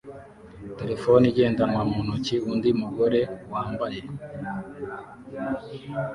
terefone igendanwa mu ntoki undi mugore wambaye